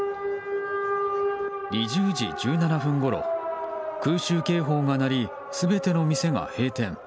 ２０時１７分ごろ空襲警報が鳴り全ての店が閉店。